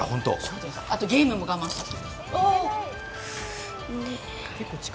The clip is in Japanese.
あとゲームも我慢したって。